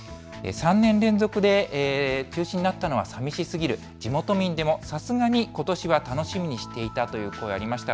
３年連続で中止になったのはさみしすぎる、地元民でもさすがに、ことしは楽しみにしていたという声がありました。